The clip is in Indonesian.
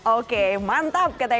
oke mantap katanya